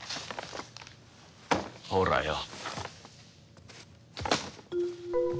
ほらよ。